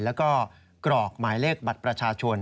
แล้วก็กรอกหมายเลขบัตรประชาชน